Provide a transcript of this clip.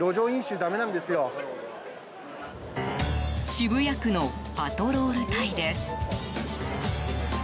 渋谷区のパトロール隊です。